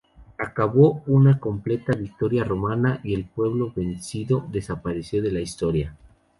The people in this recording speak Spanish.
Acabó en una completa victoria romana y el pueblo vencido desapareció de la historia.